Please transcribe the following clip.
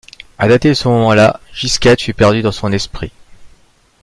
À dater de ce moment-là, Gisquette fut perdue dans son esprit.